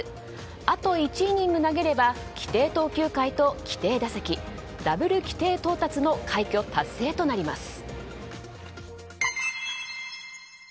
あと１イニング投げれば規定投球回と規定打席ダブル規定到達の快挙達成となります。